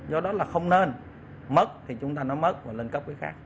do đó là không nên mất thì chúng ta nó mất và lên cấp cái khác